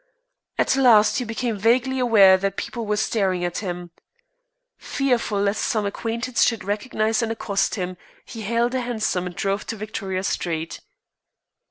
At last he became vaguely aware that people were staring at him. Fearful lest some acquaintance should recognize and accost him he hailed a hansom and drove to Victoria Street.